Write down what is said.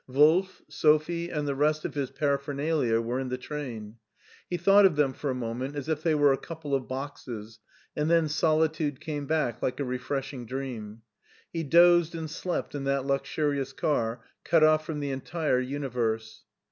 Wolf, Sophie, and the rest of his paraphernalia were in the train. He thought of them for a minute, as if they were a couple of boxes, and then solitude came back like a refreshing dream. He dozed and slept in that luxurious car, cut off from the entire universe.